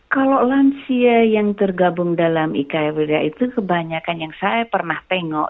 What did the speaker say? kalau lansia yang tergabung dalam ika wilda itu kebanyakan yang saya pernah tengok